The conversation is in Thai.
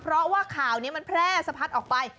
เพราะว่าข่าวนี้มันแพร่สะพัดออกไป